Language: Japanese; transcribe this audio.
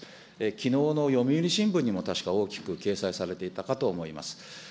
きのうの読売新聞にも確か大きく掲載されていたかと思います。